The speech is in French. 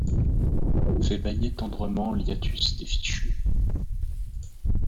Fait bâiller tendrement l’hiatus des fichus ;